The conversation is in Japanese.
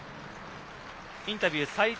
インタビューは齋藤舜